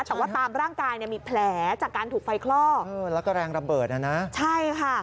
แต่ว่าตามร่างกายเนี่ยมีแผลจากการถูกไฟคลอกเออแล้วก็แรงระเบิดนะนะใช่ค่ะ